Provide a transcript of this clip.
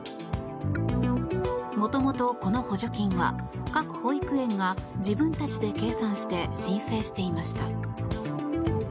もともと、この補助金は各保育園が自分たちで計算して申請していました。